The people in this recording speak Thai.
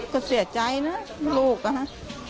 ก็เสียใจนะลูกนะคะ